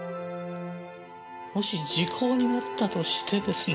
もし時効になったとしてですね。